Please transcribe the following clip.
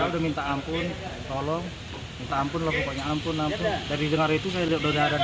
dihitamnya lagi kena latangan